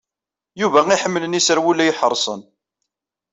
Yuba iḥemmlen iserwula iḥerṣen.